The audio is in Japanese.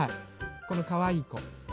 このかわいいこ。